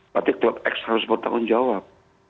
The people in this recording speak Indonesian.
berarti klub x harus bertanggung jawab